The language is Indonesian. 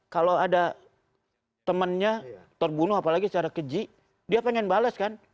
kalau ada temannya terbunuh apalagi secara keji dia pengen bales kan